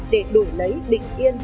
để đổi lấy định yên